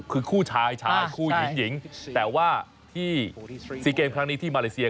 คือคู่ชายชายคู่หญิงหญิงแต่ว่าที่ซีเกมครั้งนี้ที่มาเลเซีย